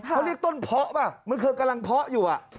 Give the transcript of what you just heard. เขาเรียกต้นเพาะปะเหมือนเกินกำลังเพาะอยู่อ่ะ